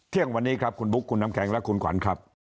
เที่ยงวันนี้ครับคุณบุ๊คคุณน้ำแข็งและคุณขวัญครับ